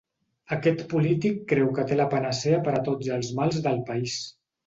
Aquest polític creu que té la panacea per a tots els mals del país.